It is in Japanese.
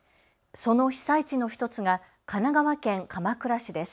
その被災地の１つが神奈川県鎌倉市です。